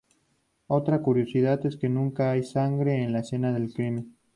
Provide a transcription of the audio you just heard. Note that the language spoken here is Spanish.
Otra curiosidad es que nunca hay sangre en la escena del crimen.